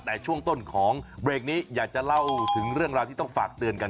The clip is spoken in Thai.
แต่ช่วงต้นของเบรกนี้อยากจะเล่าถึงเรื่องราวที่ต้องฝากเตือนกัน